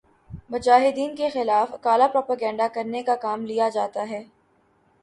مجاہدین کے خلاف کالا پروپیگنڈا کرنے کا کام لیا جاتا ہے